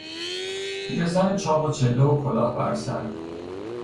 پیرزن چاق و چله و کلاه بر سر